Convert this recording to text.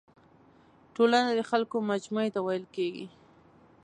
ټولنه د خلکو مجموعي ته ويل کيږي.